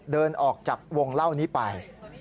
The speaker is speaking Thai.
เดินออกจากวงเล่านี้ไป